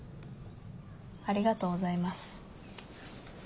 ありがとうございます。